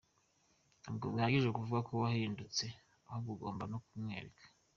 Ntabwo bihagije kuvuga ko wahindutse ahubwo ugomba no kubimwereka.